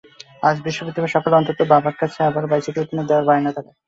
আজ বৃহস্পতিবার সকালে অন্তর বাবার কাছে আবারও বাইসাইকেল কিনে দেওয়ার বায়না ধরে।